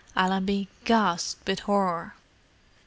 Allenby gasped with horror.